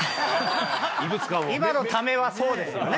今のためはそうですよね。